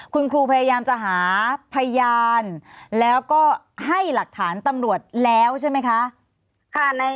คุณครูพยายามจะหาพยานแล้วก็ให้หลักฐานตำรวจแล้วใช่ไหมคะ